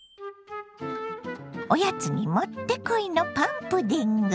おやつに持ってこいのパンプディング。